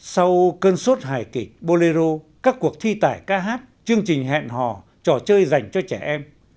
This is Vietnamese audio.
sau cơn suốt hài kịch bolero các cuộc thi tải ca hát chương trình hẹn hò trò chơi dành cho trẻ em